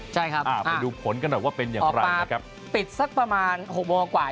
ไปดูผลกันหน่อยว่าเป็นอย่างไรออกมาปิดประมาณ๖โมงกว่า